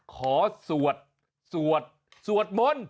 สวดสวดสวดมนต์